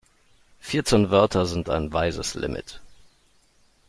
Vierzehn Wörter sind ein weises Limit.